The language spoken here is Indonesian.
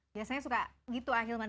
biasanya suka gitu ah hilman